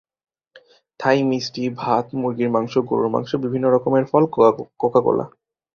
থাই মিস্টি, ভাত, মুরগির মাংস, গরুর মাংস, বিভিন্ন রকমের ফল, কোকাকোলা।